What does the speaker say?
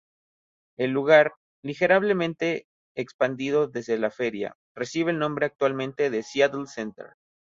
El lugar, ligeramente expandido desde la feria, recibe el nombre actualmente de Seattle Center.